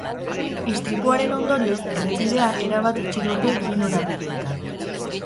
Istripuaren ondorioz, errepidea erabat itxi dute bi norabideetan.